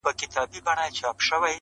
اې د قوتي زلفو مېرمني در نه ځمه سهار ـ